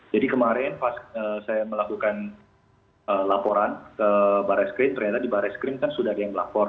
jadi kemarin pas saya melakukan laporan ke barai skrim ternyata di barai skrim kan sudah ada yang melapor